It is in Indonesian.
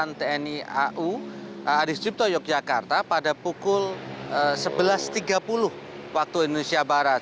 pangkalan tni au adisjipto yogyakarta pada pukul sebelas tiga puluh waktu indonesia barat